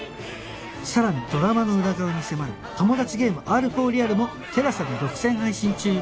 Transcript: さらにドラマの裏側に迫る『トモダチゲーム Ｒ４ リアル』も ＴＥＬＡＳＡ で独占配信中